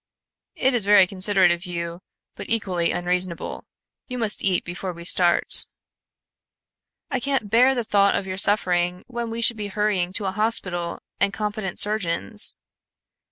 "It is very considerate of you, but equally unreasonable. You must eat before we start." "I can't bear the thought of your suffering when we should be hurrying to a hospital and competent surgeons."